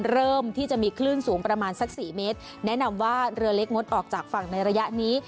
เริ่มที่จะมีคลื่นสูงประมาณสักสี่เมตรแนะนำว่าเรือเล็กงดออกจากฝั่งในระยะนี้